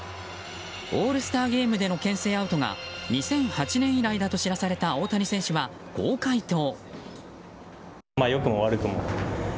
オールスターゲーム内の牽制アウトが２００８年以来だと知らされた大谷選手は、こう回答。